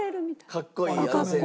「かっこいい」って。